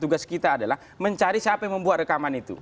tugas kita adalah mencari siapa yang membuat rekaman itu